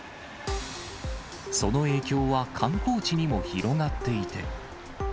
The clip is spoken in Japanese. その影響は観光地にも広がっていて。